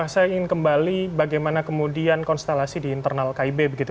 saya ingin kembali bagaimana kemudian konstelasi di internal kib begitu